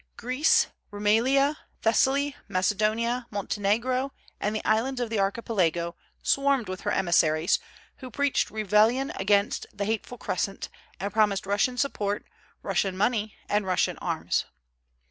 "Greece, Roumelia, Thessaly, Macedonia, Montenegro, and the islands of the Archipelago swarmed with her emissaries, who preached rebellion against the hateful Crescent, and promised Russian support, Russian money, and Russian arms."